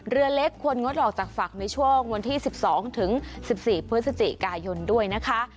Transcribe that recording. เรือเล็กควรงดออกจากฝั่งในช่วงวันที่๑๒ถึง๑๔พฤศจิกายนด้วยนะคะ